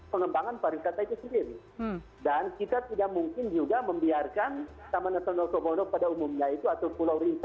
pengembangan perintah itu sendiri dan kita tidak mungkin juga membiarkan taman natal notomono pada umumnya itu atau pulau rinka itu itu